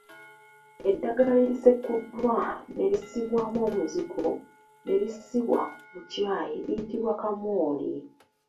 Eddagala erisekuddwa ne lisibwamu omuzigo ne lisibibwa mu kyayi liyitibwa kamooli.